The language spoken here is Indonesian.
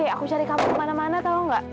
aku cari kamu kemana mana tau gak